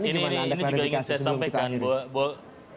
ini juga ingin saya sampaikan bahwa